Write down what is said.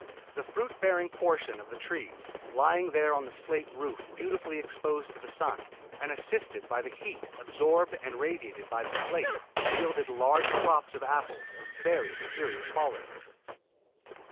The fruit bearing portion of the trees, lying there on the slate roof beautifully exposed to the sun above, and assisted by the heat absorbed and radiated by the slate, yielded large crops of apples of very superior quality.